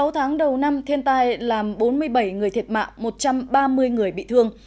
sáu tháng đầu năm thiên tai làm bốn mươi bảy người thiệt mạng một trăm ba mươi người bị thương